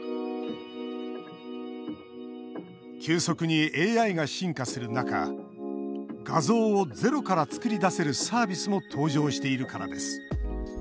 急速にＡＩが進化する中、画像をゼロから作り出せるサービスも登場しているからです。